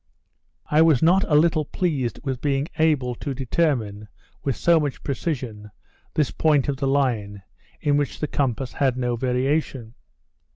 I was not a little pleased with being able to determine, with so much precision, this point of the Line, in which the compass has no variation.